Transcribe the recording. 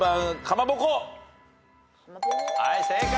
はい正解。